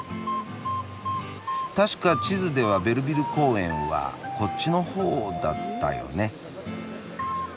確か地図ではベルヴィル公園はこっちのほうだったよね。